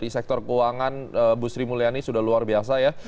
perkeuangan busri mulyani sudah luar biasa ya